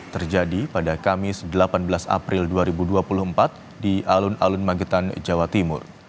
terjadi pada kamis delapan belas april dua ribu dua puluh empat di alun alun magetan jawa timur